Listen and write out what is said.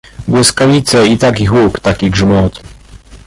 "Błyskawice i taki huk, taki grzmot."